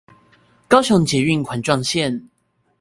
高雄捷運環狀線